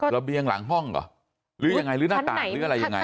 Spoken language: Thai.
ระเบียงหลังห้องเหรอหรือยังไงหรือหน้าต่างหรืออะไรยังไง